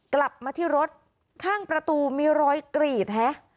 กลับมาที่รถข้างประตูมีรอยกรีดฮะ